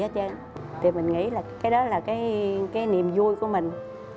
thì mình nghĩ là cái đó là cái niềm vui của mình